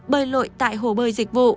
bơi lội tại hồ bơi dịch vụ